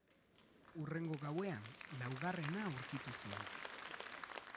Hurrengo gauean laugarrena aurkitu zuen.